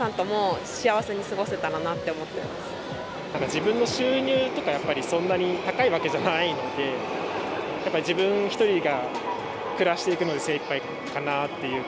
自分の収入とか、そんなに高いわけじゃないのでやっぱり自分１人が暮らしていくので精いっぱいかなっていう。